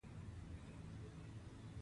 خوښي خپره شوه.